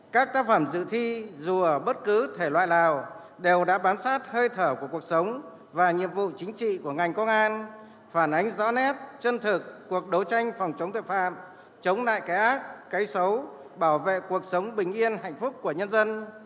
các tác phẩm dự thi dù ở bất cứ thể loại nào đều đã bám sát hơi thở của cuộc sống và nhiệm vụ chính trị của ngành công an phản ánh rõ nét chân thực cuộc đấu tranh phòng chống tội phạm chống lại cái ác cái xấu bảo vệ cuộc sống bình yên hạnh phúc của nhân dân